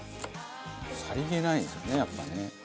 さりげないんですよねやっぱね。